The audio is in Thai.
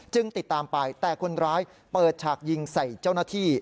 ติดตามไปแต่คนร้ายเปิดฉากยิงใส่เจ้าหน้าที่